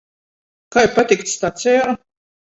Kai patikt stacejā?